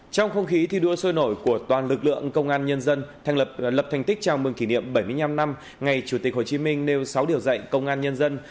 trong không khí thi đua sôi nổi của toàn lực lượng công an nhân dân thành lập lập thành tích chào mừng kỷ niệm bảy mươi năm năm ngày chủ tịch hồ chí minh nêu sáu điều dạy công an nhân dân